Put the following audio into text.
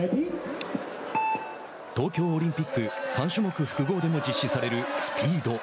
東京オリンピック３種目複合でも実施される「スピード」。